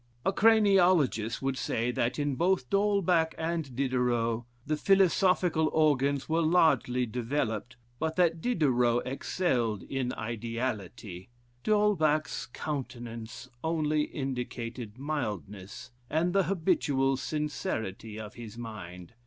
A craniologist would say that in both D'Holbach and Diderot, the philosophical organs were largely developed, but that Diderot excelled in ideality; D'Holbach's countenance only indicated mildness, and the habitual sincerity of his mind.